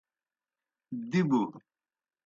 دِبوْ۔